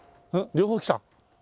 両方来た？